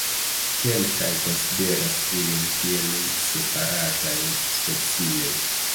Kelkaj konsideras ilin kiel separataj specioj.